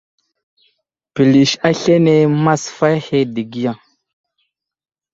Pəlis aslane masfay ahe dəgiya.